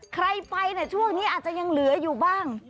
ใครไปช่วงนี้อาจจะยังเหลืออยู่บ้าง